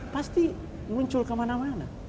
pasti muncul kemana mana